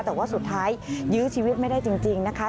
แต่ว่าสุดท้ายยื้อชีวิตไม่ได้จริงนะคะ